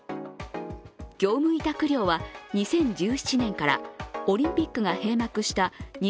業務委託料は２０１７年からオリンピックが閉幕した